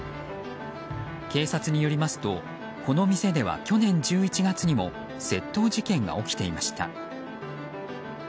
警察によりますとこの店では去年１１月にも窃盗事件が起きていました。